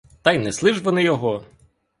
Та й несли ж вони його!